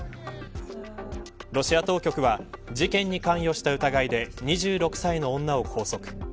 ロシア当局は事件に関与した疑いで２６歳の女を拘束。